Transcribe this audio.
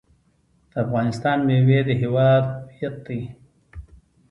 د افغانستان میوې د هیواد هویت دی.